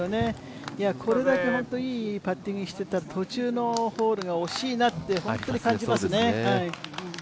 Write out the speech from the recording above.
これだけ本当にいいパッティングしてたら途中のホールが惜しいなって、本当に感じますね。